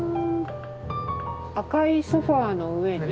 赤いソファーの上に。